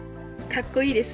かっこいいです